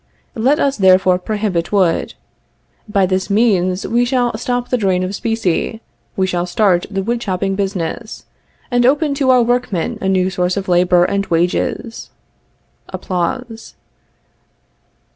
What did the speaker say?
Let us, therefore, prohibit wood. By this means we shall stop the drain of specie, we shall start the wood chopping business, and open to our workmen a new source of labor and wages. [Applause.